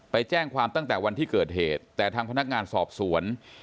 ไปแจ้งความตั้งแต่วันที่เกิดเหตุแต่ทางพนักงานสอบสวน